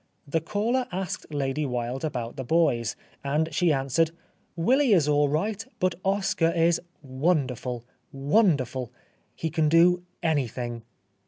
The caller asked Lady Wilde about the boys, and she answered :" Willy is all right, but Oscar is wonderful, wonderful. He can do anything."